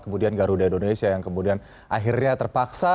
kemudian garuda indonesia yang kemudian akhirnya terpaksa